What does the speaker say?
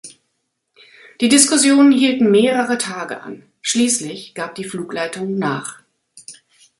Die Diskussionen hielten mehrere Tage an; schließlich gab die Flugleitung nach.